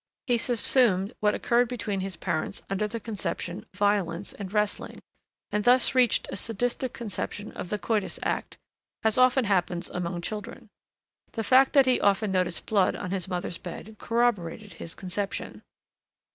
He subsumed what occurred between his parents under the conception "violence and wrestling," and thus reached a sadistic conception of the coitus act, as often happens among children. The fact that he often noticed blood on his mother's bed corroborated his conception.